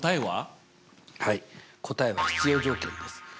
はい答えは必要条件です。